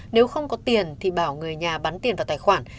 nếu không có tiền thì bảo người nhà bắn tiền vào tài khoản